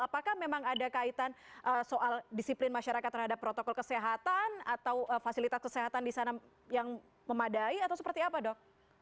apakah memang ada kaitan soal disiplin masyarakat terhadap protokol kesehatan atau fasilitas kesehatan di sana yang memadai atau seperti apa dok